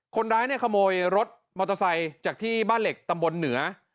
คนร้ายเนี่ยขโมยรถมอเตอร์ไซค์จากที่บ้านเหล็กตำบลเหนือ